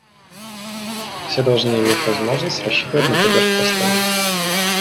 Все должны иметь возможность рассчитывать на поддержку остальных.